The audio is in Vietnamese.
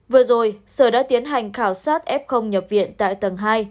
vừa rồi sở đã tiến hành khảo sát f nhập viện tại tầng hai